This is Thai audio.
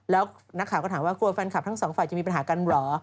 แล้วนักข่าวก็ถามว่ากลัวแฟนคลับทั้งสองฝ่ายจะมีปัญหากันเหรอ